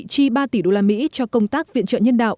chi ba tỷ đô la mỹ cho công tác viện trợ nhân đạo